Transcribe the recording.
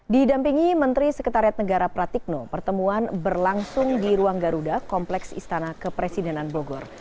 didampingi menteri sekretariat negara pratikno pertemuan berlangsung di ruang garuda kompleks istana kepresidenan bogor